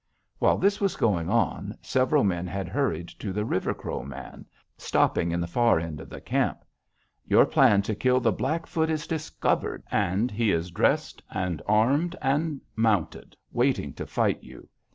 "While this was going on, several men had hurried to the River Crow man, stopping in the far end of camp: 'Your plan to kill the Blackfoot is discovered, and he is dressed and armed and mounted, waiting to fight you.